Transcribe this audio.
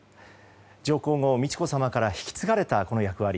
上皇后・美智子さまから引き継がれたこの役割。